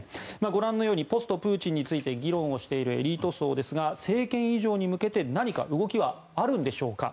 ご覧のようにポストプーチンについて議論をしているエリート層ですが政権移譲に向けて何か動きはあるのでしょうか。